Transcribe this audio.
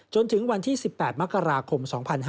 จนถึงวันที่๑๘มกราคม๒๕๕๙